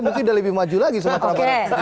mungkin sudah lebih maju lagi sumatera barat